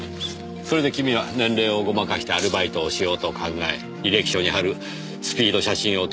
それで君は年齢をごまかしてアルバイトをしようと考え履歴書に貼るスピード写真を撮りに行き